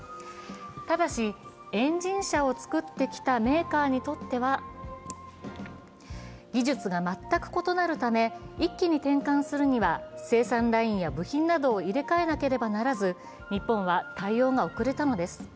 ただし、エンジン車を作ってきたメーカーにとっては、技術が全く異なるため一気に転換するには生産ラインや部品などを入れ替えなければならず、日本は対応が遅れたのです。